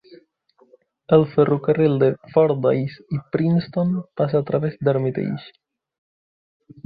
El ferrocarril de Fordyce i Princeton passa a través d"Hermitage.